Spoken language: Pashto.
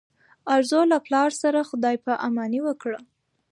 ارزو له پلار سره خدای په اماني وکړه.